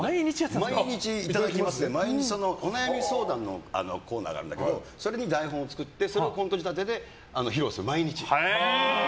毎日「いただきます」でお悩み相談のコーナーがあるんだけどそれに台本を作ってコント仕立てで披露してたの、毎日。